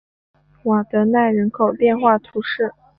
瓦德奈人口变化图示